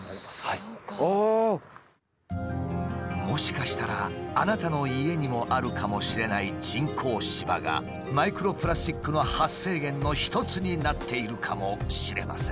もしかしたらあなたの家にもあるかもしれない人工芝がマイクロプラスチックの発生源の一つになっているかもしれません。